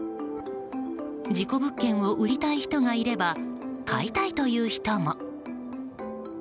事故物件を売りたい人がいれば買いたいという人も。